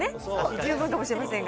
十分かもしれませんが。